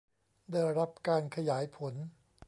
ได้รับการขยายผล